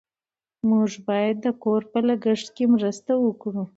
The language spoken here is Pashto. دوی باید د کور په لګښت کې مرسته وکړي.